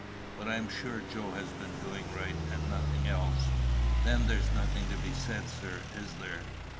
But I am sure Joe has been doing right, and nothing else." "Then there's nothing to be said, sir, is there?"